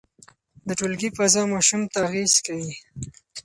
د ټولګي فضا ماشوم ته اغېز کوي.